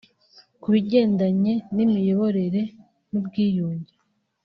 Ku bigendanye n’ imiyoborere n’ubwiyunge